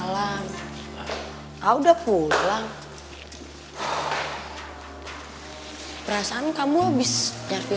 dan gue pengen jadi sahabat lo jin